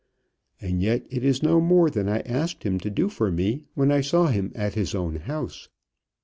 And yet it is no more than I asked him to do for me when I saw him at his own house.